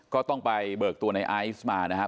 ก็ต้องไปเบิกตัวในไอซ์มานะครับ